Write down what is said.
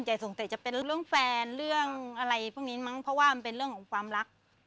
จะเล่าต่อมากันว่า